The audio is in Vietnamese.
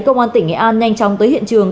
công an tỉnh nghệ an nhanh chóng tới hiện trường